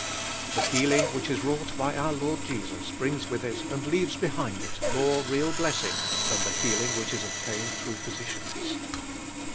Tlie healing which is wrought by our Lord Jesus brings with it and leaves be liind it more real blessing lhaii Mi" heal ing which is obtained through physicians.